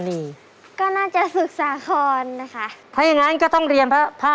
เดี๋ยวแตกถ้วยนะครับ